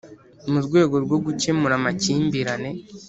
Mu rwego rwo gukemura amakimbirane